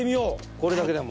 これだけでも。